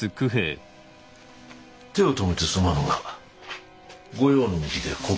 手を止めてすまぬが御用の向きでここを検めるぞ。